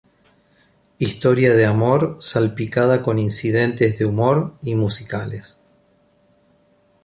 Historia de amor salpicada con incidentes de humor y musicales.